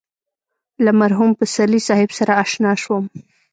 له مرحوم پسرلي صاحب سره اشنا شوم.